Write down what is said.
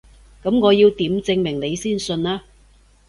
噉我要點證明你先信啊？